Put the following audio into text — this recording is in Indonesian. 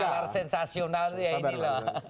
nahar sensasional ini loh